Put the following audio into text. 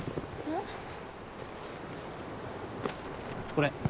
これ。